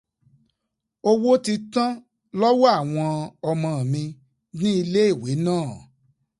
Owó ti tán lọ́wọ́ àwọn ọmọ mi ní ilé ìwé náà.